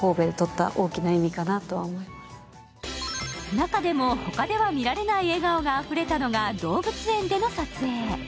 中でも他では見られない笑顔があふれたのが動物園での撮影。